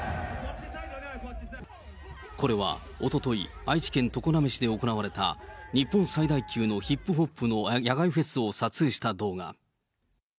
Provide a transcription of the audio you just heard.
これはおととい、愛知県常滑市で行われた日本最大級のヒップホップの野外フェスを撮影した動画。